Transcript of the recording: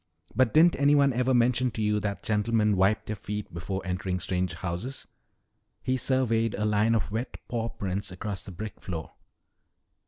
"But didn't anyone ever mention to you that gentlemen wipe their feet before entering strange houses?" He surveyed a line of wet paw prints across the brick floor.